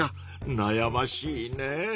なやましいね。